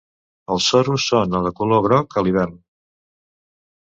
Els sorus són de color groc a l'hivern.